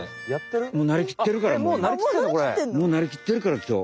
もうなりきってんの？もうなりきってるからきょう。